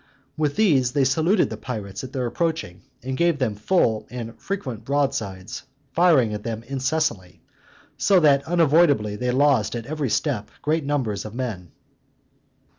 With all these they saluted the pirates at their approaching, and gave them full and frequent broadsides, firing at them incessantly; so that unavoidably they lost at every step great numbers of men.